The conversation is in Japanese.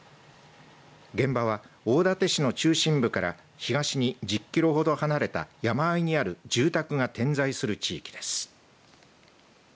現場は大館市の中心部から東に１０キロほど離れた山あいにある住宅が点在する地域です。